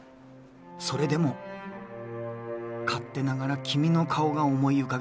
それでも勝手ながら君の顔が思い浮かびました」。